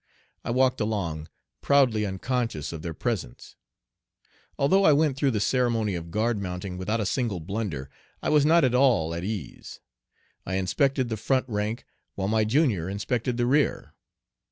I walked along, proudly unconscious of their presence. Although I went through the ceremony of guard mounting without a single blunder, I was not at all at ease. I inspected the front rank, while my junior inspected the rear.